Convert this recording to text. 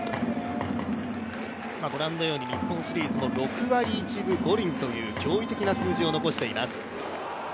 ご覧のように日本シリーズも６割１分という驚異的な数字を残しています。